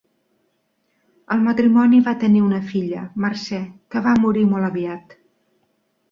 El matrimoni va tenir una filla, Mercè, que va morir molt aviat.